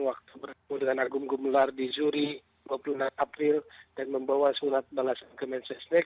waktu bertemu dengan agung gumelar di zuri dua puluh enam april dan membawa surat balasan ke mensesnek